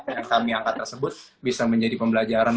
yang kami angkat tersebut bisa menjadi pembelajaran